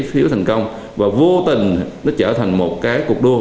phiếu thành công và vô tình nó trở thành một cái cuộc đua